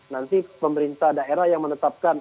nanti pemerintah daerah yang menetapkan